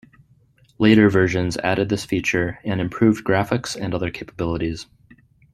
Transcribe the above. Later versions added this feature and improved graphics and other capabilities.